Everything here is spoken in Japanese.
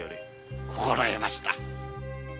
心得ました。